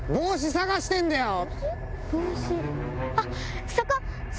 あっ！